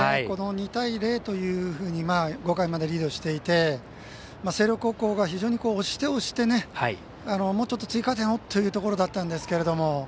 ２対０というふうに５回までリードしていて星稜高校が非常に押して押してもうちょっと追加点をというところだったんですが。